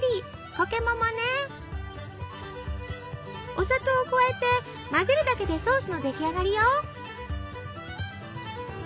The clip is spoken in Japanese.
お砂糖を加えて混ぜるだけでソースの出来上がりよ。